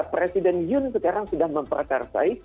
presiden yun sekarang sudah memperkerasai